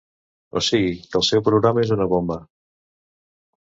O sigui que el seu programa és una bomba.